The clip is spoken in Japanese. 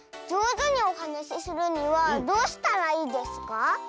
じょうずにおはなしするにはどうしたらいいですか？